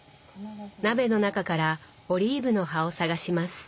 鍋の中からオリーブの葉を探します。